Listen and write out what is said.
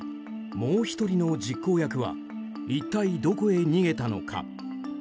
もう１人の実行役は一体どこへ逃げたのか。